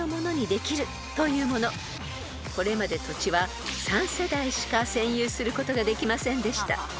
［これまで土地は３世代しか占有することができませんでした］